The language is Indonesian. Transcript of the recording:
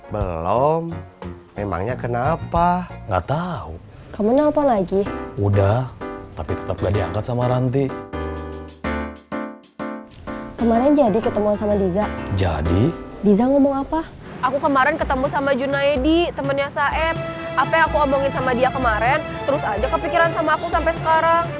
terus aja kepikiran sama aku sampai sekarang